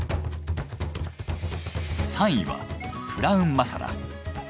３位はプラウンマサラ。